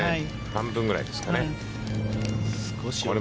半分ぐらいですかね。